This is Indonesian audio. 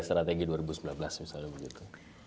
strategi dua ribu sembilan belas misalnya begitu